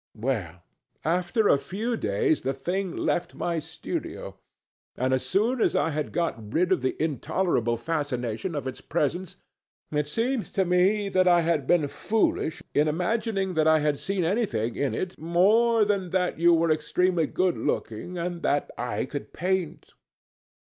Well, after a few days the thing left my studio, and as soon as I had got rid of the intolerable fascination of its presence, it seemed to me that I had been foolish in imagining that I had seen anything in it, more than that you were extremely good looking and that I could paint.